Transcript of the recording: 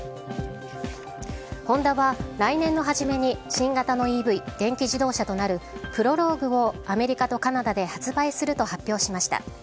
ホンダは来年の初めに新型のＥＶ・電気自動車となるＰＲＯＬＯＧＵＥをアメリカとカナダで発売すると発表しました。